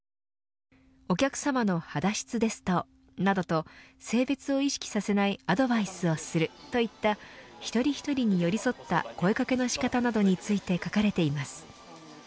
お客さまの肌質ですと、などと性別を意識させないアドバイスをするといった一人一人に寄り添った声かけの仕方などについて書かれています。